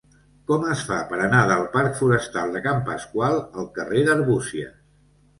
Com es fa per anar del parc Forestal de Can Pasqual al carrer d'Arbúcies?